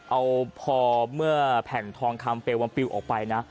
เอาพอเมื่อแผ่นทองคำเปลวัลปิวออกไปนะ